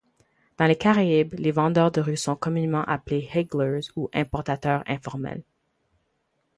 Dans les Caraïbes, les vendeurs de rue sont communément appelés higglers ou importateurs informels.